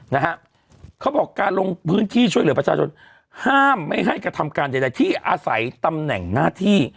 นะฮะเขาบอกการลงพื้นที่ช่วยเหลือประชาชนห้ามไม่ให้กระทำการใดใดที่อาศัยตำแหน่งหน้าที่